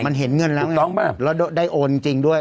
มันเห็นเงินแล้วเนี่ยแล้วได้โอนจริงด้วย